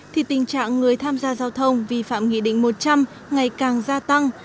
thì tình trạng người tham gia giao thông vi phạm nghị định một trăm linh ngày càng gia tăng